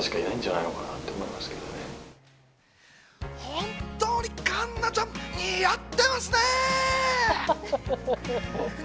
本当に環奈ちゃん、似合ってますね。